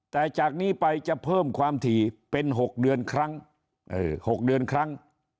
แต่จากนี้ไปจะเพิ่มความถี่เป็น๖เดือนครั้ง